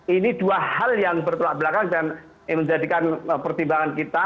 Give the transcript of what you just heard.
ini dua hal yang bertolak belakang dan menjadikan pertimbangan kita